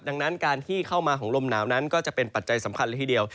ดังนั้นการที่เข้ามาของลมหนาวนั้นก็จะเป็นปัจจัยสำคัญเลยทีเดียว